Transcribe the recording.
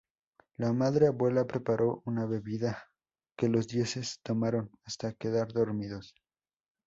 La Madre Abuela preparó una bebida que los dioses tomaron hasta quedar dormidos.